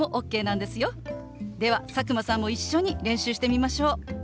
では佐久間さんも一緒に練習してみましょう。